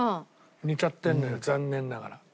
似ちゃってるのよ残念ながら。